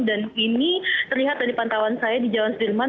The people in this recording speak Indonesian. dan ini terlihat dari pantauan saya di jalan sedirman